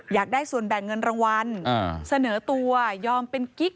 อยากได้ส่วนแบ่งเงินรางวัลเสนอตัวยอมเป็นกิ๊ก